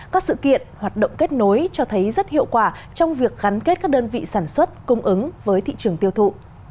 các sự kiện hoạt động kết nối cho thấy rất hiệu quả trong việc gắn kết các đơn vị sản xuất cung ứng với thị trường tiêu thụ